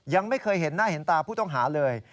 ยังไม่เคยเห็นหน้าเห็นตาผู้ต้องหาเลย